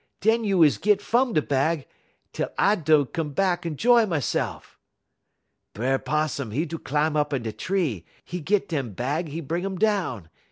Dun you is git fum da bag, tel I do come bahk un 'joy mese'f.' "B'er 'Possum, 'e do clam up da tree; 'e git dem bag, 'e bring um down.